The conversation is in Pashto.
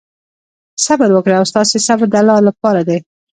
صبر وکړئ او ستاسې صبر د الله لپاره دی.